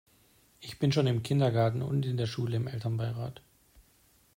Ich bin schon im Kindergarten und in der Schule im Elternbeirat.